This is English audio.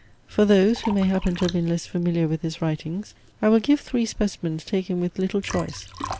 For those, who may happen to have been less familiar with his writings, I will give three specimens taken with little choice.